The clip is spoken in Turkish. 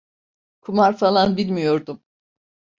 Kumar falan bilmiyordum.